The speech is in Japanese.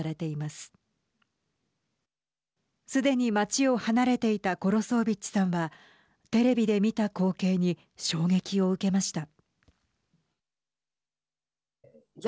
すでに街を離れていたコロソービッチさんはテレビで見た光景に衝撃を受けました。